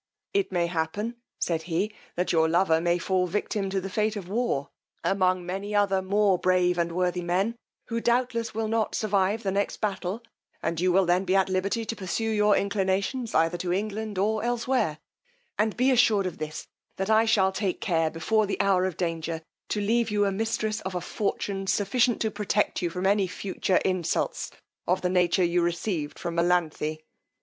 It may happen, said he, that your lover may fall a victim to the fate of war, among many other more brave and worthy men, who doubtless will not survive the next battle, and you will then be at liberty to pursue your inclinations either to England or elsewhere; and be assured of this, that I shall take care, before the hour of danger, to leave you mistress of a fortune, sufficient to protect you from any future insults of the nature you received from Melanthe.